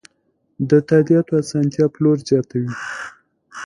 د تادیاتو اسانتیا پلور زیاتوي.